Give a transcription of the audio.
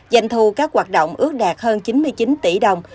doanh thu các hoạt động ước đạt hơn chín mươi chín tỷ đồng